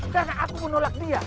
karena aku menolak dia